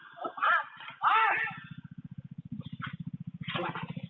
ช่วยตา